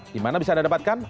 di mana bisa anda dapatkan